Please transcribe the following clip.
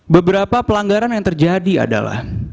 beberapa pelanggaran yang terjadi adalah